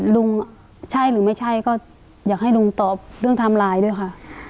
ใช่หรือไม่ใช่ก็อยากให้ลุงตอบเรื่องไทม์ไลน์ด้วยค่ะ